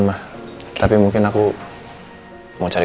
nah sekarang kita coba